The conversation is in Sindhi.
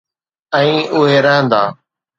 ۽ اھي رھندا